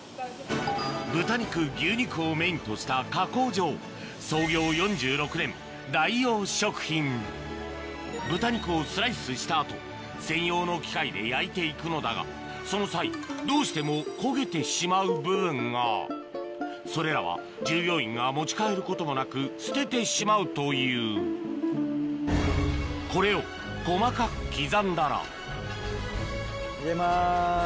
豚肉牛肉をメインとした加工場豚肉をスライスした後専用の機械で焼いて行くのだがその際どうしても焦げてしまう部分がそれらは従業員が持ち帰ることもなく捨ててしまうというこれを細かく刻んだら入れます。